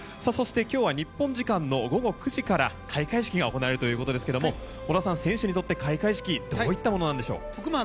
そして、今日は日本時間の午後９時から開会式が行われるということですけど織田さん、選手にとって開会式、どんなものでしょうか。